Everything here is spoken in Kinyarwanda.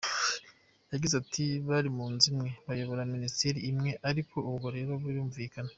Yagize ati “Bari mu nzu imwe, bayobora minisiteri imwe, ariko ubwo rero birumvikana.